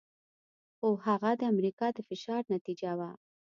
خو هغه د امریکا د فشار نتیجه وه.